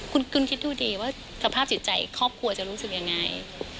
คุณคิดดูดีว่าสภาพจิตใจครอบครัวจะรู้สึกยังไง